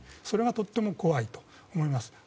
それがとっても怖いと思います。